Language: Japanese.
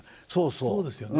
そうですよね。